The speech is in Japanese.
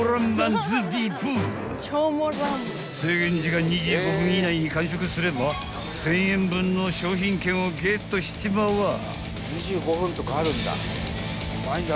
［制限時間２５分以内に完食すれば１，０００円分の商品券をゲットしちまわぁ］